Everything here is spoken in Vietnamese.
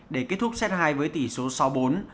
để kết thúc set hai với tỷ số sáu bốn